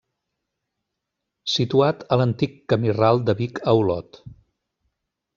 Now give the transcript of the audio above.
Situat a l'antic camí ral de Vic a Olot.